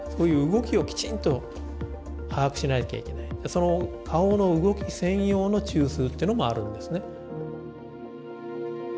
その顔の動き専用の中枢っていうのもあるんですね。